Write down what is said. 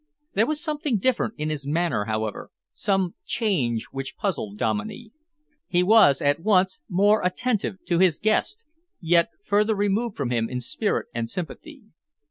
There was something different in his manner, however, some change which puzzled Dominey. He was at once more attentive to his guest, yet further removed from him in spirit and sympathy.